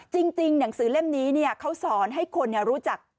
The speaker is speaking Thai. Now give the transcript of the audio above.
จริงหนังสือเล่มนี้เขาสอนให้คนรู้จัก